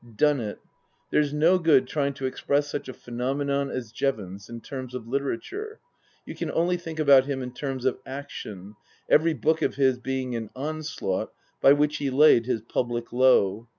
Done it. There's no good trying to express such a phenomenon as Jevons in terms of literature. You can only think about him in terms of action, every book oi his being an onslaught by which he laid his public low.